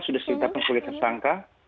sudah serta serta sudah tersangka